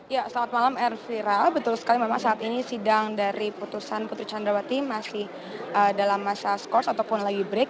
ya selamat malam ervira betul sekali memang saat ini sidang dari putusan putri candrawati masih dalam masa skors ataupun lagi break